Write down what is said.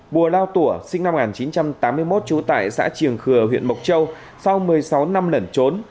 bùa lao tủa sinh năm một nghìn chín trăm tám mươi một trú tại xã triềng khừa huyện mộc châu sau một mươi sáu năm lẩn trốn